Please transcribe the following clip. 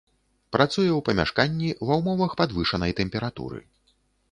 Працуе ў памяшканні, ва ўмовах падвышанай тэмпературы.